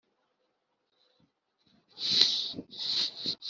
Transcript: ndi icyegera mu bi mbere,